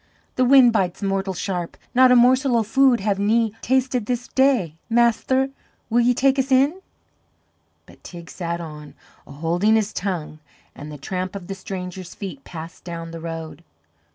The wind bites mortal sharp, not a morsel o' food have ne tasted this day. Masther, will ye take us in?" But Teig sat on, a holding his tongue; and the tramp of the strangers' feet passed down the road.